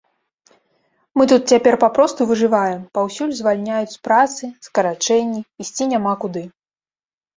Мы тут цяпер папросту выжываем, паўсюль звальняюць з працы, скарачэнні, ісці няма куды.